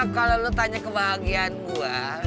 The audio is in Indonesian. kalau lo tanya kebahagiaan gue